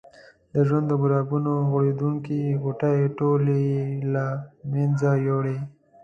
د ژوند د ګلابونو غوړېدونکې غوټۍ ټولې یې له منځه یوړې.